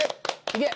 いけ！